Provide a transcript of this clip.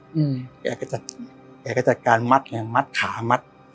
แกก็จัดแกก็จัดการมัดเนี่ยมัดขามัด